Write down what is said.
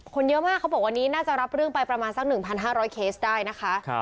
คนเยอะมากเขาบอกวันนี้น่าจะรับเรื่องไปประมาณสัก๑๕๐๐เคสได้นะคะ